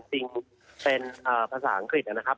จริงเป็นภาษาอังกฤษนะครับ